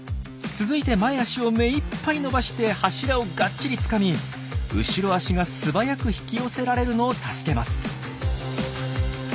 続いて前足を目いっぱい伸ばして柱をがっちりつかみ後ろ足が素早く引き寄せられるのを助けます。